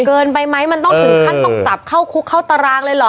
เกินไปไหมมันต้องถึงขั้นต้องจับเข้าคุกเข้าตารางเลยเหรอ